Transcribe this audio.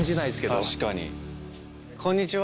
こんにちは。